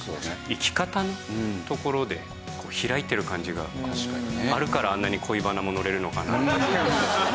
生き方のところで開いてる感じがあるからあんなに恋バナものれるのかな。